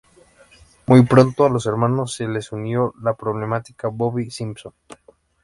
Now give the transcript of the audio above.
Muy pronto a los hermanos se les unió la problemática Bobby Simpson.